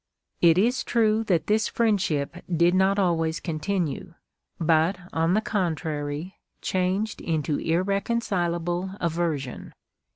^" It is true that this friendship did not always continue, but, on the contrary, changed into irreconcilable aversion.